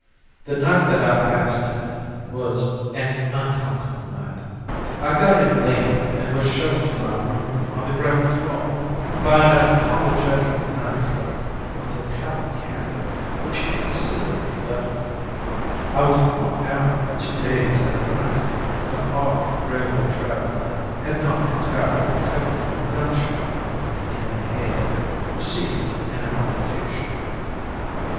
"The night that I passed in it was an uncomfortable night. I got in late and was shown to my room on the ground floor by an apologetic night clerk with a tallow candle, which he considerately left with me. I was worn out by two days and a night of hard railway travel and had not entirely recovered from a gunshot wound in the head, received in an altercation.